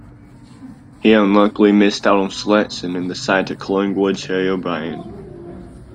He unluckily missed out on selection in the side to Collingwood's Harry O'Brien.